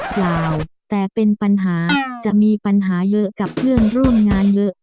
เปล่าแต่เป็นปัญหาจะมีปัญหาเยอะกับเพื่อนร่วมงานเยอะ